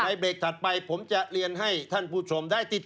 เบรกถัดไปผมจะเรียนให้ท่านผู้ชมได้ติด